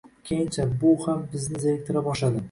Keyincha bu ham bizni zeriktira boshladi